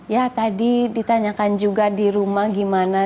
ya tadi ditanyakan juga di rumah gimana